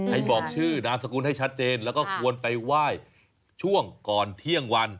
ให้บอกชื่อนามสกุลให้ชัดเจนแล้วก็ควรไปไหว้ช่วงก่อนเที่ยงวัน